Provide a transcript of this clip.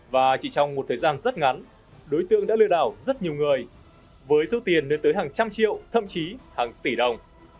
và chỉ trong một thời gian rất ngắn đối tượng đã lừa đảo rất nhiều người với số tiền lên tới hàng trăm triệu thậm chí hàng tỷ đồng